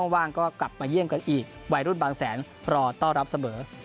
ว่างก็กลับมาเยี่ยมกันอีกวัยรุ่นบางแสนรอต้อนรับเสมอ